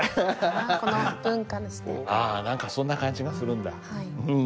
ああ何かそんな感じがするんだ。